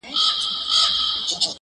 • پر آس سپور د پیر بغل ته برابر سو -